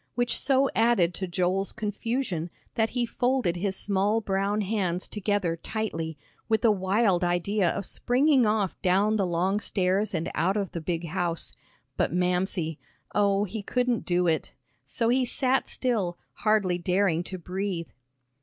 Which so added to Joel's confusion, that he folded his small brown hands together tightly, with a wild idea of springing off down the long stairs and out of the big house but Mamsie. Oh, he couldn't do it! So he sat still, hardly daring to breathe.